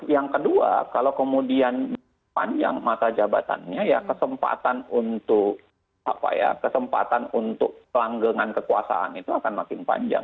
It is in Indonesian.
yang kedua kalau kemudian panjang masa jabatannya ya kesempatan untuk kesempatan untuk langgangan kekuasaan itu akan makin panjang